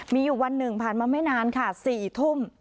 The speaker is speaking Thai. มีอยู่วันหนึ่งผ่านมาไม่นานค่ะ๔ทุ่ม